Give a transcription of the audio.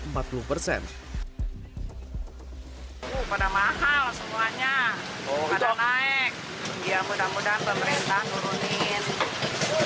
ya mudah mudahan pemerintah turunin